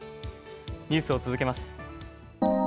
ニュースを続けます。